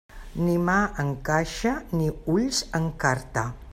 Ni mà en caixa, ni ulls en carta.